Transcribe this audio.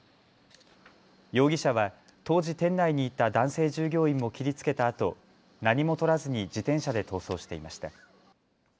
容疑者は当時、店内にいた男性従業員も切りつけたあと何もとらずに自転車で逃走していました。